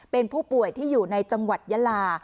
เป็นผู้ป่วยที่อยู่ในจังหวัดยาลา